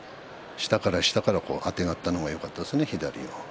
下からしっかりあてがったのがよかったですね。